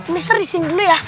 mister disini dulu ya